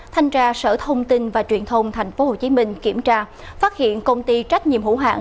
thanh ra sở thông tin và truyền thông thành phố hồ chí minh kiểm tra phát hiện công ty trách nhiệm hữu hạn